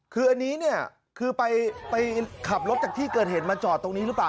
คืออันนี้เนี่ยคือไปขับรถจากที่เกิดเหตุมาจอดตรงนี้หรือเปล่า